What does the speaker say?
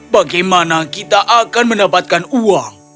bagaimana kita akan mendapatkan uang